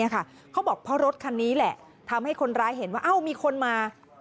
เขาบอกเพราะรถคันนี้แหละทำให้คนร้ายเห็นว่ามีคนมา